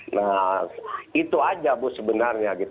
nah itu aja bu sebenarnya